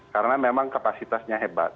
karena memang kapasitasnya hebat